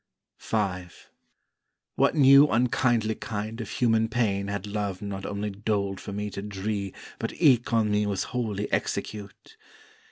V What new unkindly kind of human pain Had Love not only doled for me to dree But eke on me was wholly execute?